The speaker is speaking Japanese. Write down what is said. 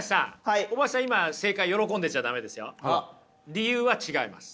理由は違います。